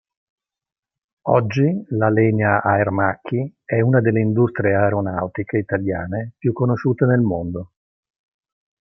Oggi l'Alenia Aermacchi è una delle industrie aeronautiche italiane più conosciute nel mondo.